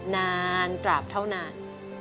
นานกราบเท่านาน